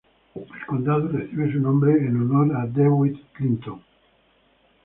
El condado recibe su nombre en honor a DeWitt Clinton.